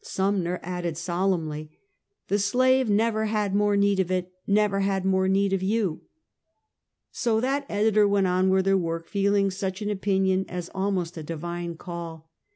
Sumner added solemnly: " The slave never had more need of it; never had more need of you." So that editor went on with her work, feeling such an opinion as almost a divine call.